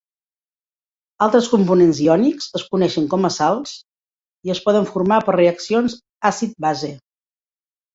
Altres components iònics es coneixen com a sals i es poden formar per reaccions àcid-base.